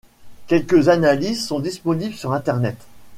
Quelques analyses sont disponibles sur internet.